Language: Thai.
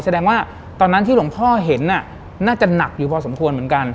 แสดงว่าตอนนั้นที่หลวงพ่อเห็นน่าจะหนักอยู่พอสมควรเหมือนกัน